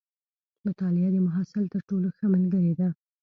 مطالعه د محصل تر ټولو ښه ملګرې ده.